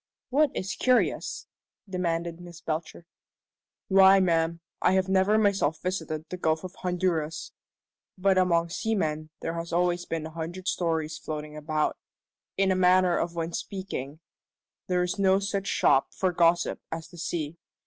"What is curious?" demanded Miss Belcher. "Why, ma'am, I have never myself visited the Gulf of Honduras, but among seamen there are always a hundred stories floating about. In a manner of speaking, there is no such shop for gossip as the sea.